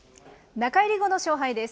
中入り後の勝敗です。